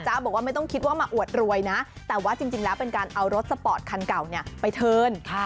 บอกว่าไม่ต้องคิดว่ามาอวดรวยนะแต่ว่าจริงแล้วเป็นการเอารถสปอร์ตคันเก่าไปเทิร์น